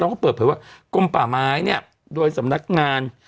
ก็เปิดเผยว่ากลมป่าไม้เนี่ยโดยสำนักงาน